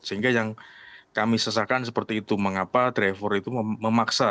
sehingga yang kami sesakan seperti itu mengapa driver itu memaksa